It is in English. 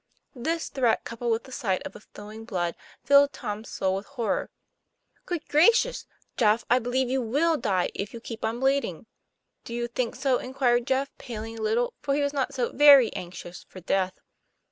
This threat, coupled with the sight of the flowing blood, filled Tom's soul with horror. "Good gracious! Jeff, I believe you will die, if you keep on bleeding." " Do you think so?" inquired Jeff, paling a little, for he was not so very anxious for death.